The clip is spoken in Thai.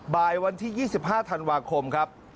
บ่ายวันที่๒๕ธันวาคมครับ